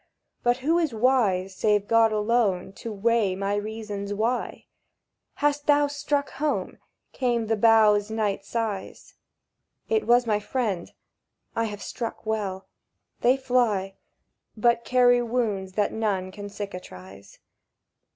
"But who is wise, Save God alone, to weigh my reasons why?" —"Hast thou struck home?" came with the boughs' night sighs. It was my friend. "I have struck well. They fly, But carry wounds that none can cicatrize."